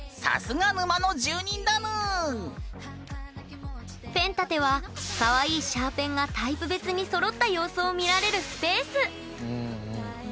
さすが沼の住人だぬんペン立てはかわいいシャーペンがタイプ別にそろった様子を見られるスペース！